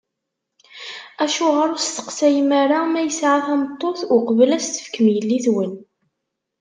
Acuɣer ur testeqsayem ara ma yesɛa tameṭṭut, uqbel ad as-tefkem yellitwen?